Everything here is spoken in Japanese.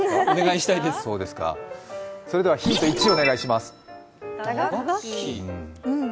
それではヒント１、お願いします。